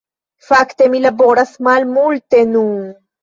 Fakte, mi laboras malmulte nun.